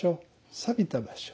寂びた場所